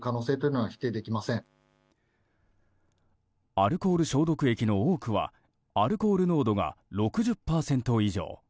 アルコール消毒液の多くはアルコール濃度が６０％以上。